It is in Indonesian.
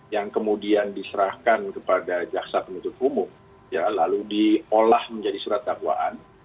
yang kemudian diserahkan kepada jaksa penuntut umum lalu diolah menjadi surat dakwaan